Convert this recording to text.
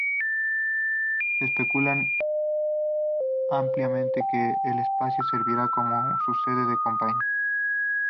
Se especulaba ampliamente que el espacio serviría como su sede de campaña.